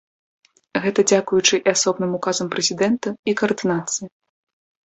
Гэта дзякуючы і асобным указам прэзідэнта, і каардынацыі.